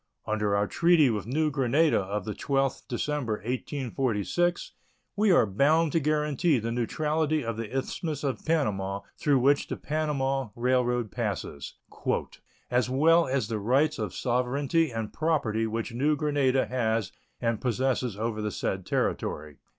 Under our treaty with New Granada of the 12th December, 1846, we are bound to guarantee the neutrality of the Isthmus of Panama, through which the Panama Railroad passes, "as well as the rights of sovereignty and property which New Granada has and possesses over the said territory."